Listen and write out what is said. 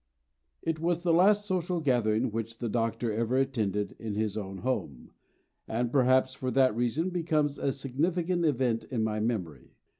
It was the last social gathering which the Doctor ever attended in his own home, and perhaps for that reason becomes a significant event in my memory.